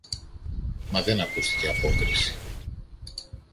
Μα δεν ακούστηκε απόκριση.